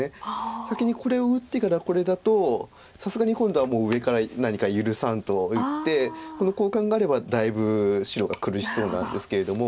先にこれを打ってからこれだとさすがに今度は上から何か「許さん」と言ってこの交換があればだいぶ白が苦しそうなんですけれども。